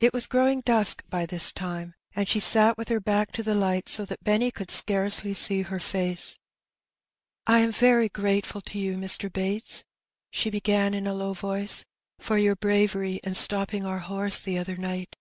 It was growing dnsk by this time^ and she sat with her back to the lights so that Benny could scarcely see her face. " I am very gratefal to you, Mr. Bates,*^ she began in a low voice, '^ for your bravery in stopping our horse the other night."